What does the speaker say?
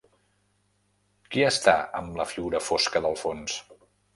Qui està amb la figura fosca del fons?